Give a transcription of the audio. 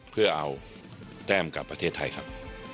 เพื่อเอาแต้มกลับประเทศไทยครับ